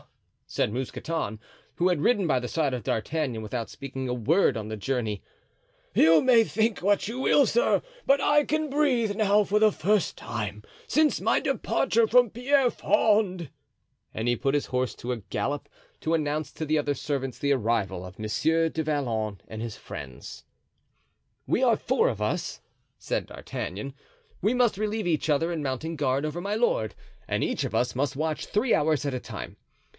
said Mousqueton, who had ridden by the side of D'Artagnan without speaking a word on the journey, "you may think what you will, sir, but I can breathe now for the first time since my departure from Pierrefonds;" and he put his horse to a gallop to announce to the other servants the arrival of Monsieur du Vallon and his friends. "We are four of us," said D'Artagnan; "we must relieve each other in mounting guard over my lord and each of us must watch three hours at a time.